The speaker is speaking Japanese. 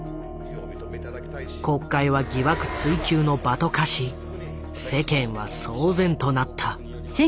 国会は疑惑追及の場と化し世間は騒然となった。